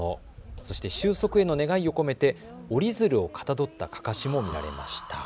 そして終息への願いを込めて折り鶴をかたどったかかしも見られました。